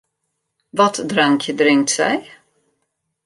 Wat drankje drinkt sy?